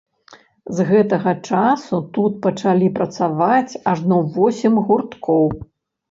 З гэтага часу тут пачалі працаваць ажно восем гурткоў.